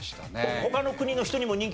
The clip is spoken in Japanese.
他の国の人にも人気でした？